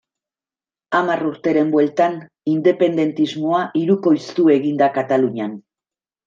Hamar urteren bueltan, independentismoa hirukoiztu egin da Katalunian.